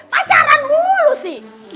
pacaran mulu sih